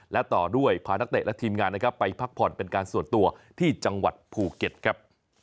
และต่อด้วยพานักเตะและทีมงานนะครับไปพักผ่อนเป็นการส่วนตัวที่จังหวัดภูเก็ตครับ